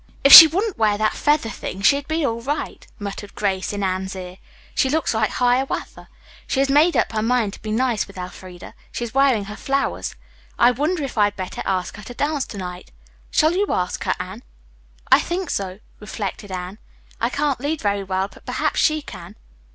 "If she wouldn't wear that feather thing she'd be all right," muttered Grace in Anne's ear. "She looks like Hiawatha. She has made up her mind to be nice with Elfreda. She's wearing her flowers. I wonder if I'd better ask her to dance to night. Shall you ask her, Anne?" "I think so," reflected Anne. "I can't lead very well, but perhaps she can."